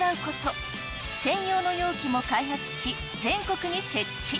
専用の容器も開発し全国に設置。